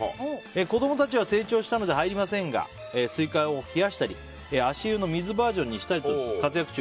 子供たちは成長したので入りませんがスイカを冷やしたり足湯の水バージョンにしたりと活躍中。